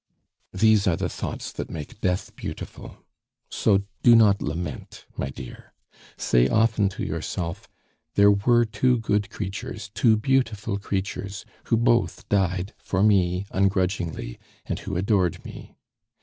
"These are the thoughts that make death beautiful. So do not lament, my dear. Say often to yourself, 'There were two good creatures, two beautiful creatures, who both died for me ungrudgingly, and who adored me.